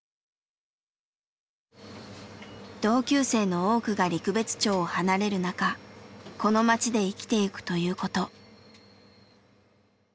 同級生の多くが陸別町を離れる中「この町で生きていく」ということ。